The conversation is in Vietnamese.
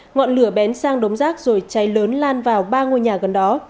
ngọn lửa bén sang đống rác rồi cháy lớn lan vào ba ngôi nhà gần đó